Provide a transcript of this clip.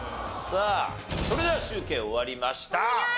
さあそれでは集計終わりました。